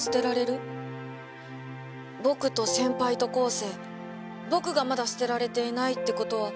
僕と先輩と昴生僕がまだ捨てられていないってことは。